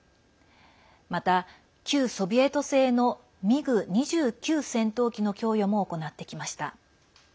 また、旧ソビエト製のミグ２９戦闘機の供与も行ってきました。